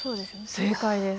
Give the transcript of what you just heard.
正解です。